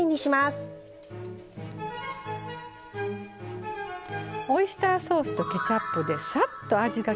オイスターソースとケチャップでさっと味が決まる炒め物です。